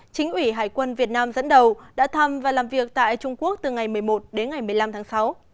chính ủy hải quân việt nam dẫn đầu đã thăm và làm việc tại trung quốc từ ngày một mươi một đến ngày một mươi năm tháng sáu